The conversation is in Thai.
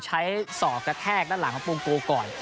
ใช้ศอกกระแทกด้านหลังของปรุงโกลก่อน